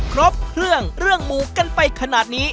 ครบเครื่องเรื่องหมู่กันไปขนาดนี้